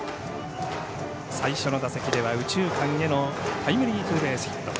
最初の打席では右中間へのタイムリーツーベースヒット。